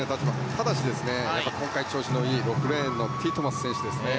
ただし、今回調子のいい６レーンのティットマス選手ですね